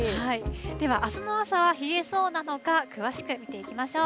ではあすの朝は冷えそうなのか、詳しく見ていきましょう。